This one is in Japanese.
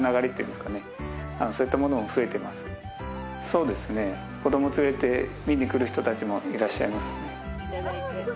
そうですね子供連れて見に来る人たちもいらっしゃいますね。